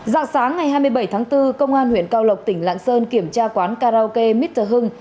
dạng sáng ngày hai mươi bảy tháng bốn công an huyện cao lộc tỉnh lạng sơn kiểm tra quán karaoke mitter hưng